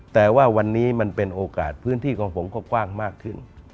แต่ว่าวันนี้มันเป็นโอกาสพื้นที่ของผมก็กว้างมากขึ้น